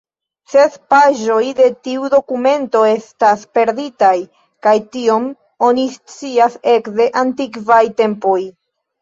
Ses paĝoj de tiu dokumento estas perditaj, kaj tion oni scias ekde antikvaj tempoj.